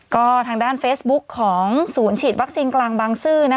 ก็ทางด้านเฟซบุ๊คของศูนย์ฉีดวัคซีนกลางบางซื่อ